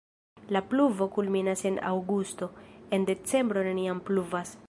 La pluvo kulminas en aŭgusto, en decembro neniam pluvas.